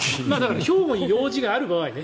兵庫に用事がある場合ね。